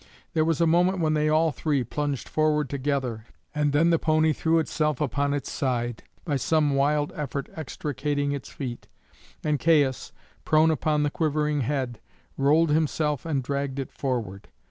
There was a moment when they all three plunged forward together, and then the pony threw itself upon its side, by some wild effort extricating its feet, and Caius, prone upon the quivering head, rolled himself and dragged it forward.